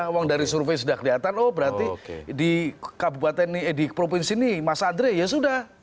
uang dari survei sudah kelihatan oh berarti di provinsi ini mas andre ya sudah